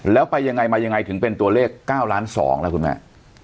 แล้วไปยังไงมายังไงถึงเป็นตัวเลข๙ล้าน๒แล้วคุณแม่